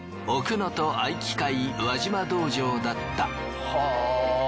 能登合気会輪島道場だった。